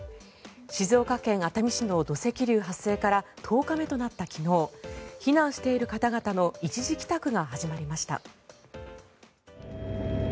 静岡県熱海市の土石流発生から１０日目となった昨日避難している方々の一時帰宅が始まりました。